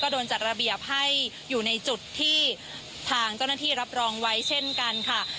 โดนจัดระเบียบให้อยู่ในจุดที่ทางเจ้าหน้าที่รับรองไว้เช่นกันค่ะ